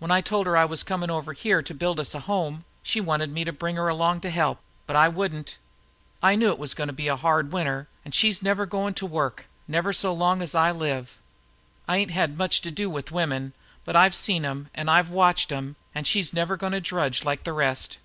When I told her I was coming over here to build us a home, she wanted me to bring her along to help; but I wouldn't. I knew it was goin' to be hard this winter, and she's never goin' to work never so long as I live. I ain't had much to do with women, but I've seen 'em and I've watched 'em an' she's never goin' to drudge like the rest.